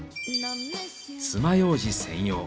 つまようじ専用。